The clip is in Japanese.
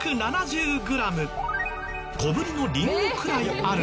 小ぶりのリンゴくらいあるそう。